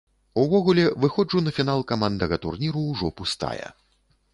Увогуле, выходжу на фінал каманднага турніру ўжо пустая.